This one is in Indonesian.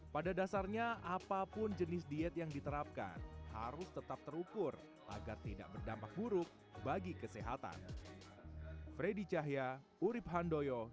pada dasarnya apapun jenis diet yang diterapkan harus tetap terukur agar tidak berdampak buruk bagi kesehatan